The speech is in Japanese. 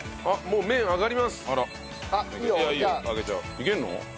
いけるの？